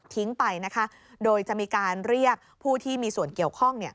ไปนะคะโดยจะมีการเรียกผู้ที่มีส่วนเกี่ยวข้อง